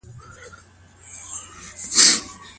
د طلاق واک کله د انابت په ذريعه چاته انتقاليږي؟